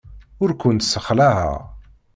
Ur kent-ssexlaɛeɣ.